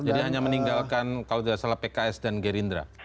jadi hanya meninggalkan kalau tidak salah pks dan gerindra